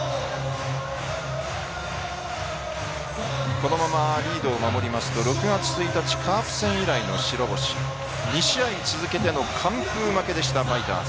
このままリードを守りますと６月１日カープ戦以来の白星２試合続けての完封負けでしたファイターズ。